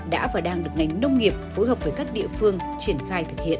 đã và đang được ngành nông nghiệp phối hợp với các địa phương triển khai thực hiện